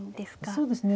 そうですね。